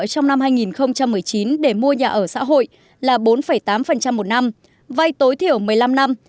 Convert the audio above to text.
trong năm hai nghìn một mươi chín để mua nhà ở xã hội là bốn tám một năm vay tối thiểu một mươi năm năm